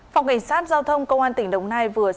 phòng cảnh sát giao thông công an tỉnh đồng nai vừa xác minh